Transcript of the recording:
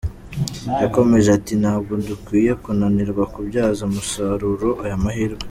Yakomeje ati “Ntabwo dukwiye kunanirwa kubyaza umusaruro aya mahirwe.